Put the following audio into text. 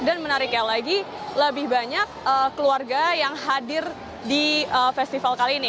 dan menariknya lagi lebih banyak keluarga yang hadir di festival kali ini